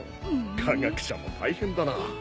科学者も大変だな。